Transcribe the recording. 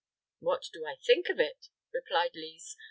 "What do I think of it?" replied Lise.